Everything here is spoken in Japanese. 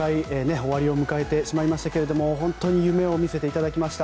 終わりを迎えてしまいましたが本当に夢を見せていただきました。